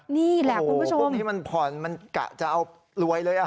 นี่แหละคุณผู้ชมโหเพลาพวกนี้มันผ่อนอยากจะรวยเลย